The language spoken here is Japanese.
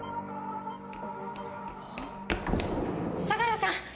相良さん！